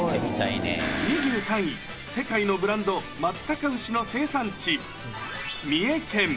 ２３位、世界のブランド、松阪牛の生産地、三重県。